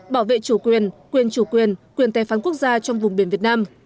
bảo vệ chủ quyền quyền chủ quyền quyền tài phán quốc gia trong vùng biển việt nam